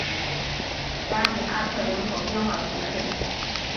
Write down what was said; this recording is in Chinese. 达米阿特人口变化图示